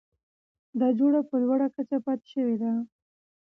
دا جوړه په لوړه کچه پاتې شوه؛